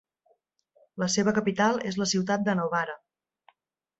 La seva capital és la ciutat de Novara.